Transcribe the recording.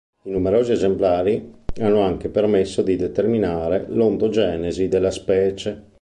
I numerosi esemplari hanno anche permesso di determinare l'ontogenesi della specie.